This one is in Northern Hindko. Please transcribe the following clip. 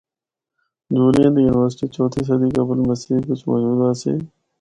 جولیاں دی یونیورسٹی چوتھی صدی قبل مسیح بچ موجود آسی۔